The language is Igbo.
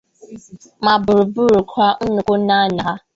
ma bụrụrụkwa nnukwu nna-nna ha.